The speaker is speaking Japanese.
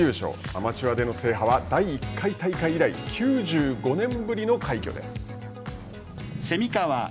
アマチュアでの制覇は第１回大会以来９５年ぶりの快挙です。